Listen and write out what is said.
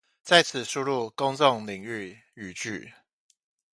在此輸入公眾領域語句